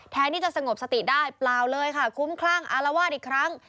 ที่จะสงบสติได้เปล่าเลยค่ะคุ้มคลั่งอารวาสอีกครั้ง